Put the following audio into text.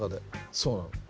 そうなのよ。